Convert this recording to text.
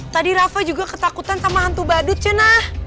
tadi rafa juga ketakutan sama hantu badut cen